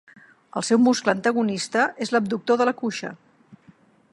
El seu muscle antagonista és l'abductor de la cuixa.